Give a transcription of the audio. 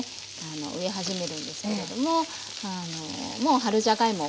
植え始めるんですけれどももう春じゃがいも